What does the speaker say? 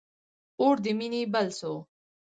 اور د مینی بل سو